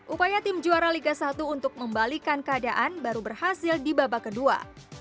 upaya tim juara liga satu untuk membalikan keadaan baru berhasil di babak kedua